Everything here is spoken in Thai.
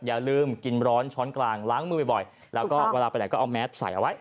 อย่าลืมกินร้อนช้อนกลางล้างมือบ่อยแล้วก็เวลาไปไหนก็เอาแมสใส่เอาไว้